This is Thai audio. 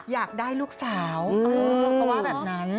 อยากได้ลูกสาวเขาว่าแบบนั้น